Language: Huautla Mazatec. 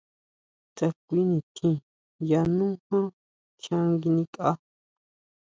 Tsá kui nitjín yanú jan tjián nguinikʼa.